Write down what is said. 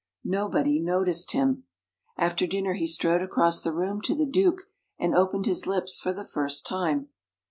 Nobody noticed him. After dinner, he strode across the room to the Duke, and opened his lips for the first time.